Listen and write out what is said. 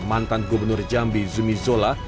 mantan gubernur jambi zumi zola